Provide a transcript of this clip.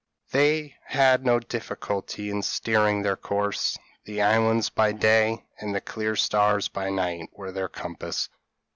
p> They had no difficulty in steering their course; the islands by day, and the clear stars by night, were their compass.